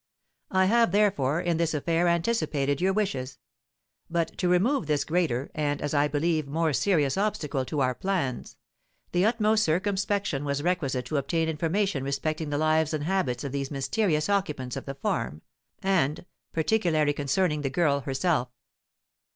I have, therefore, in this affair anticipated your wishes; but to remove this greater, and, as I believe, more serious obstacle to our plans, the utmost circumspection was requisite to obtain information respecting the lives and habits of these mysterious occupants of the farm, and particularly concerning the girl herself.